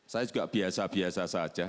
saya juga biasa biasa saja